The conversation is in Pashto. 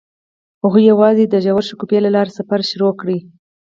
هغوی یوځای د ژور شګوفه له لارې سفر پیل کړ.